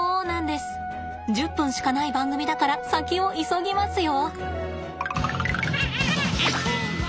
１０分しかない番組だから先を急ぎますよ！